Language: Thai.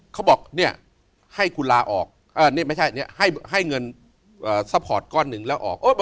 เขาบอกเนี่ยให้คุณลาออกไม่ใช่ให้เงินซัพพอร์ตก้อนหนึ่งแล้วออก